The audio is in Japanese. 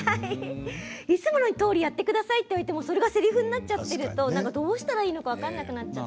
いつものとおりやってくださいと言われて、それがせりふになっていると、どうしたらいいか分からなくなってしまって。